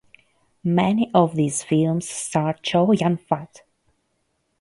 Many of these films starred Chow Yun Fat.